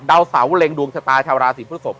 ดาวเสาเล็งดวงชะตาชาวราศีพฤศพ